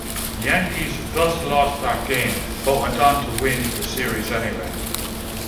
The Yankees thus lost that game but went on to win the series anyway.